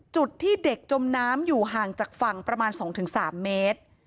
จุดที่เด็กจมน้ำอยู่ห่างจากฝั่งประมาณ๒๓เมตร